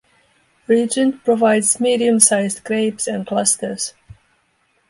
Regent provides medium-sized grapes and clusters.